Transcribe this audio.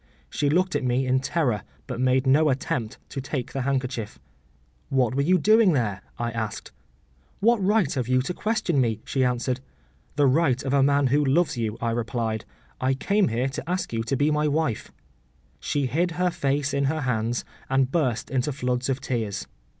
She looked at me in terror but made no attempt to take the handkerchief. “What were you doing there?” I asked. “What right have you to question me?” she answered. “The right of a man who loves you,” I replied; “I came here to ask you to be my wife.” She hid her face in her hands, and burst into floods of tears.